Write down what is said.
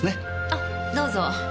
あどうぞ。